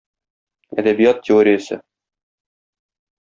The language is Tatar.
Әдәбият теориясе.